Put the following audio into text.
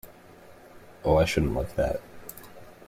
Oh, I shouldn’t like that!